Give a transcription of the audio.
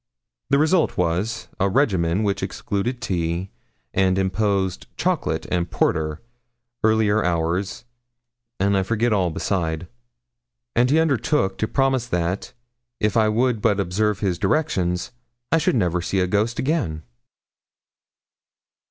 The result was, a regimen which excluded tea, and imposed chocolate and porter, earlier hours, and I forget all beside; and he undertook to promise that, if I would but observe his directions, I should never see a ghost again.